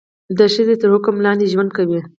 د ښځې تر حکم لاندې ژوند کوي.